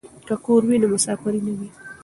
که کور وي نو مسافري نه وي.